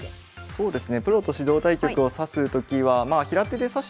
そうですね